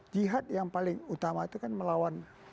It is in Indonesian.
jihad yang paling utama itu kan melawan